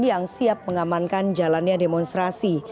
yang siap mengamankan jalannya demonstrasi